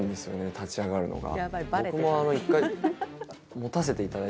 立ち上がるのが。